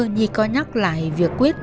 nhi coi nhắc lại việc quyết